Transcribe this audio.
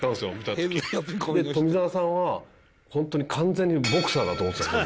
で富澤さんはホントに完全にボクサーだと思ってたんですよ